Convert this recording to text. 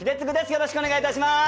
よろしくお願いします。